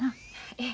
ええ。